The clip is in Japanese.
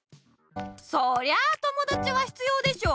そりゃあともだちは必要でしょ！